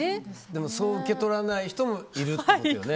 でも、そう受け取らない人もいると。